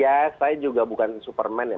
ya saya juga bukan superman ya